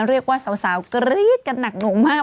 เรียกว่าสาวกรี๊ดกันหนักหน่วงมาก